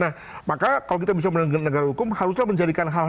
nah maka kalau kita bisa menegakkan negara hukum haruslah menjadikan itu proses hukum